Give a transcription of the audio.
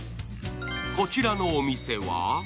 こちらのお店は？